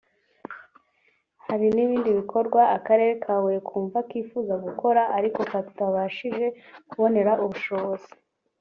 Hari n’ibindi bikorwa Akarere ka Huye kumva kifuza gukora ariko katabashije kubonera ubushobozi